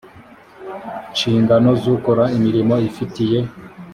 nshingano z ukora imirimo ifitiye